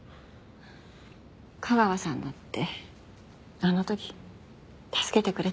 架川さんだってあの時助けてくれたじゃない。